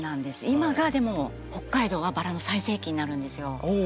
今がでも北海道はバラの最盛期になるんですよ。